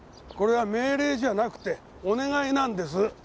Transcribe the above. これは命令じゃなくてお願いなんです。